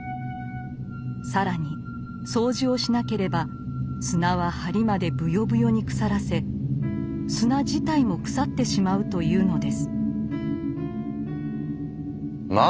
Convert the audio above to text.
更に掃除をしなければ砂は梁までぶよぶよに腐らせ砂自体も腐ってしまうというのです。